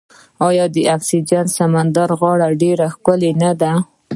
آیا د کسپین سمندر غاړې ډیرې ښکلې نه دي؟